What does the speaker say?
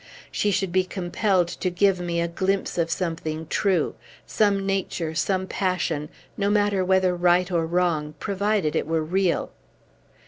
She should be compelled to give me a glimpse of something true; some nature, some passion, no matter whether right or wrong, provided it were real.